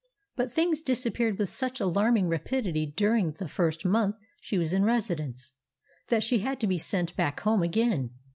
But things disappeared with such alarming rapidity during the first month she was in residence, that she had to be sent back home again.